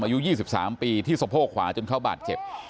อายุ๒๓ปีที่สะโพกขวาจนเขาบาดเจ็บ